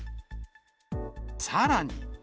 さらに。